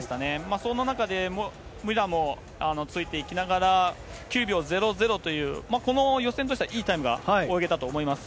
そんな中で武良もついていきながら、９秒００という、この予選としてはいいタイムが泳げたと思います。